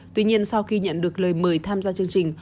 tuy nhiên sau khi nhận được lời mời tham gia chương trình